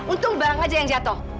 untung barang aja yang jatuh